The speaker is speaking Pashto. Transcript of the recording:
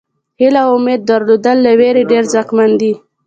هیله او امید درلودل له وېرې ډېر ځواکمن دي.